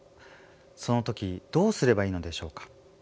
その時どうすればいいのでしょうか。